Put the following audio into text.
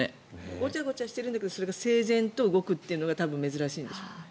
ごちゃごちゃしているんだけどそれが整然と動くというのが多分珍しいんでしょうね。